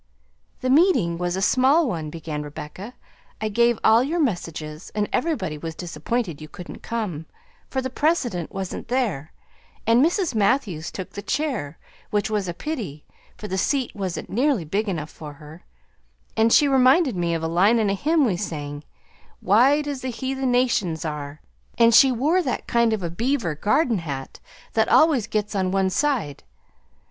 "The meeting was a small one," began Rebecca "I gave all your messages, and everybody was disappointed you couldn't come, for the president wasn't there, and Mrs. Matthews took the chair, which was a pity, for the seat wasn't nearly big enough for her, and she reminded me of a line in a hymn we sang, 'Wide as the heathen nations are,' and she wore that kind of a beaver garden hat that always gets on one side.